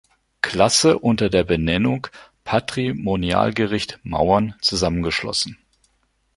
Klasse unter der Benennung „Patrimonialgericht Mauern“ zusammengeschlossen.